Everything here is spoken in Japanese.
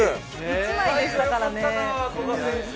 一枚でしたからね。